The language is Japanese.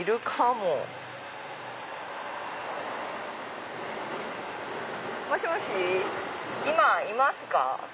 もしもし今いますか？